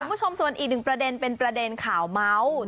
คุณผู้ชมส่วนอีกหนึ่งประเด็นเป็นประเด็นข่าวเมาส์